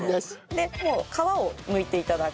でもう皮をむいて頂く。